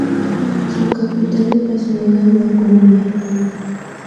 Su capital es la ciudad de La Coruña.